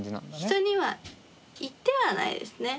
人には言ってはないですね。